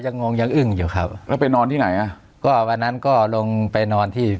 งงยังอึ้งอยู่ครับแล้วไปนอนที่ไหนอ่ะก็วันนั้นก็ลงไปนอนที่